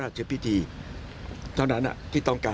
อย่างอื่นอีกหลายอย่างด้วย